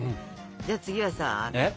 じゃあ次はさ。えっ？